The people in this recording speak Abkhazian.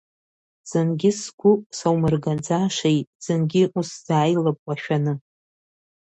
Зынгьы сгәы саумыргаӡашеи, зынгьы усзааилап уашәаны.